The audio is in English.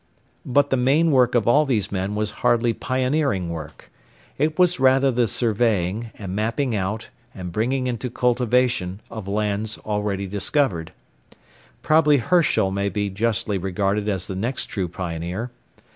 But the main work of all these men was hardly pioneering work. It was rather the surveying, and mapping out, and bringing into cultivation, of lands already discovered. Probably Herschel may be justly regarded as the next true pioneer.